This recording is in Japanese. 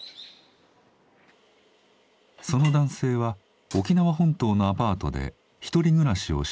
その男性は沖縄本島のアパートで独り暮らしをしていました。